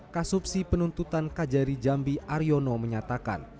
kasupsi penuntutan kajari jambi aryono menyatakan